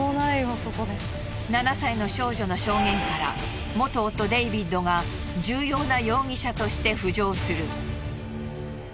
７歳の少女の証言から元夫デイビッドが重要な容疑者として浮上する。